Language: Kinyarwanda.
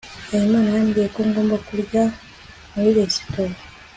habimana yambwiye ko ngomba kurya muri iyo resitora